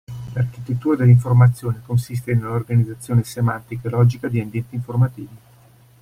L'architettura dell'informazione consiste nell'organizzazione semantica e logica di ambienti informativi.